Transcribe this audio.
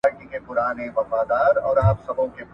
خپل ږغ د پښتو د بقا لپاره ورکړئ.